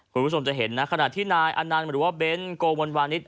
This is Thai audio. คุณผู้ชมจะเห็นนะขณะที่นายอนันต์หรือว่าเบ้นโกมนวานิส